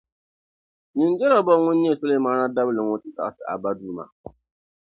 nyin’ Jɛrɔbɔam ŋun nyɛ Sulemaana dabili ŋɔ ti zaɣisi a ba duuma.